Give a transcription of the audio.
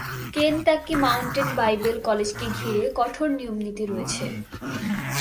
Kentucky Mountain Bible কলেজকে ঘিরে কঠোর নিয়মনীতি রয়েছে।